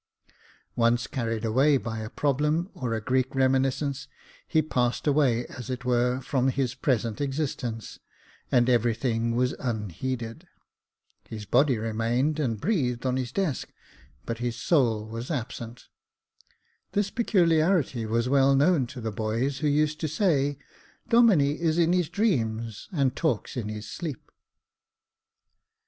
Once carried away by a problem,, or a Greek reminiscence, he passed away as it were, from his present existence, and every thing was unheeded. His body remained, and breathed on his desk, but his soul was absent. This peculiarity was well known to the boys, who used to say, "Domine is in his dreams, and talks in his sleep."